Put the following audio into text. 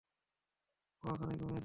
সে এখানেই ঘুমিয়েছে!